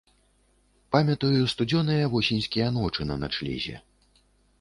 Памятаю сцюдзёныя восеньскія ночы на начлезе.